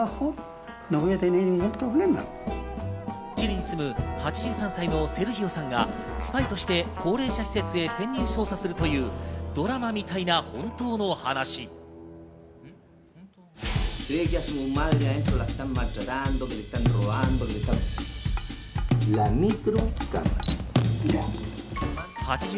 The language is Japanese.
チリに住む、８３歳のセルヒオさんがスパイとして高齢者施設に潜入するというドラマみたいな今年のアカデミー賞にノミネート。